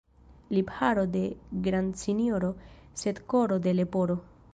Lipharo de grandsinjoro, sed koro de leporo.